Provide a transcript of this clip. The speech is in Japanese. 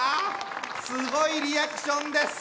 すごいリアクションです。